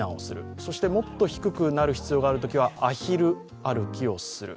そしてもっと低くなる必要があるときはアヒル歩きをする。